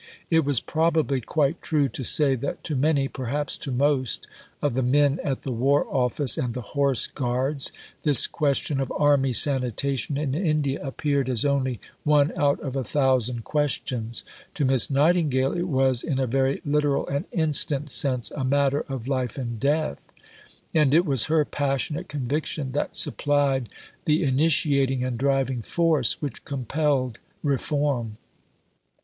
It was probably quite true to say that to many, perhaps to most, of the men at the War Office and the Horse Guards this question of Army sanitation in India appeared as only "one out of a thousand" questions. To Miss Nightingale it was, in a very literal and instant sense, a matter of life and death; and it was her passionate conviction that supplied the initiating and driving force which compelled reform.